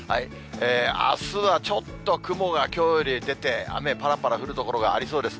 あすはちょっと雲がきょうより出て、雨ぱらぱら降る所がありそうです。